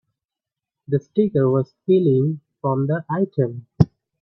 The sticker was peeling from the item.